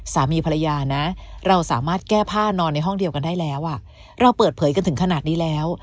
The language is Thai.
สามีภรรยานะเราสามารถแก้ผ้านอนในห้องเดียวกันได้แล้วอ่ะเราเปิดเผยกันถึงขนาดนี้แล้ว